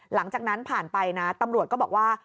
หลังจากนั้นผ่านไปนะตำรวจก็บอกว่า